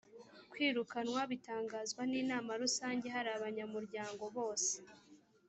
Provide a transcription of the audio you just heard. kwirukanwa bitangazwa n inama rusange hari abanyamuryang bose